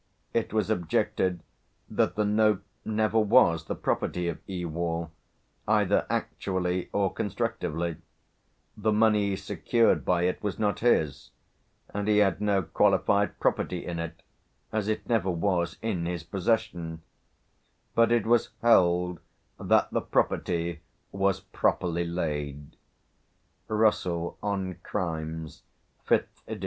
It was objected that the note never was the property of E. Wall, either actually or constructively; the money secured by it was not his, and he had no qualified property in it, as it never was in his possession; but it was held that the property was properly laid" (Russell on Crimes, 5th ed.